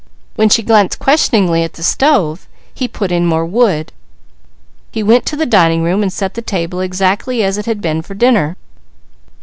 When she glanced questioningly at the stove, he put in more wood. He went to the dining room and set the table exactly as it had been for dinner.